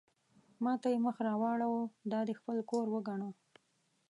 ما ته یې مخ را واړاوه: دا دې خپل کور وګڼه.